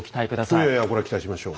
いやいやこれは期待しましょう。